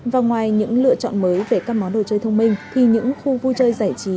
và ngoài những lựa chọn mới về các món đồ chơi thông minh thì những khu vui chơi giải trí